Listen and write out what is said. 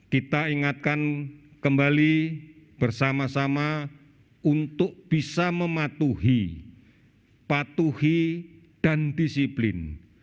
kita ingatkan kembali bersama sama untuk bisa mematuhi patuhi dan disiplin